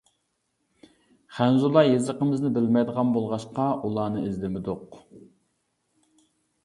خەنزۇلار يېزىقىمىزنى بىلمەيدىغان بولغاچقا ئۇلارنى ئىزدىمىدۇق.